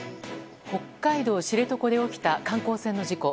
北海道知床で起きた観光船の事故。